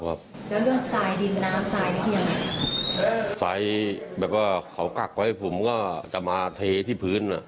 ทรายแบบว่าเขากักไว้ผมก็จะมาเทที่พื้น